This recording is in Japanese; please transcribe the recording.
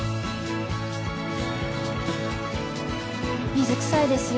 水くさいですよ